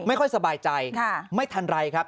ไม่ค่อยสบายใจไม่ทันไรครับ